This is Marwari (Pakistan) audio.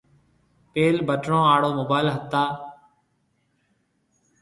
پيل بٽڻون آݪا موبائل ھتا